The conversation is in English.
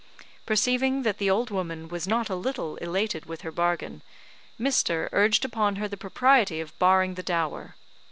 Perceiving that the old woman was not a little elated with her bargain, Mr. urged upon her the propriety of barring the dower.